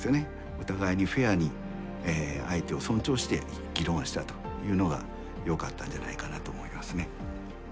お互いにフェアに相手を尊重して議論したというのがよかったんじゃないかなと思いますね。